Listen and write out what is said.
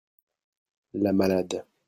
La malade